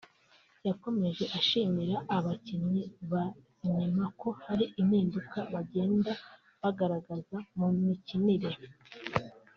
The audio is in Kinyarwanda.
yakomeje ashimira abakinnyi ba sinema ko hari impinduka bagenda bagaragaza mu mikinire